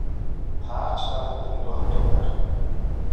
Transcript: Та ч надад дэндүү хатуу байх юм.